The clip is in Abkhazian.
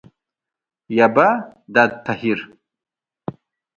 Иаба, дад Таҳир?